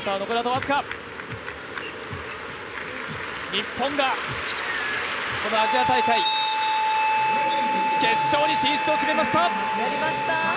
日本が、このアジア大会決勝に進出を決めました！